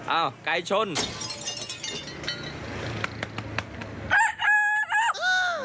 อ้าวไก่ช่วง